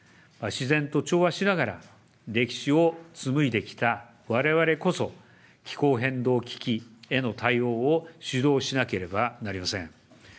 自然と調和しながら、歴史を紡いできたわれわれこそ、気候変動危機への対応を主導しなければなりません。